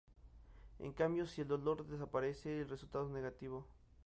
En cambio si el dolor desaparece el resultado es negativo.